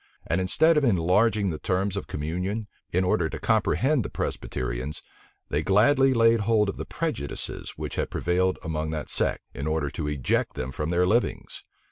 And instead of enlarging the terms of communion, in order to comprehend the Presbyterians, they gladly laid hold of the prejudices which prevailed among that sect, in order to eject them from their livings.